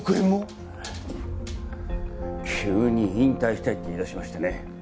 急に引退したいって言い出しましてね。